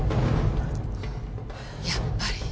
やっぱり。